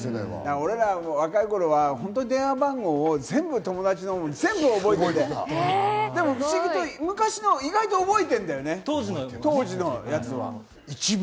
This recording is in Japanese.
俺ら若い頃は電話番号、全部友達のも覚えてて、不思議と昔の意外と覚えてるんだよね、当時のやつは。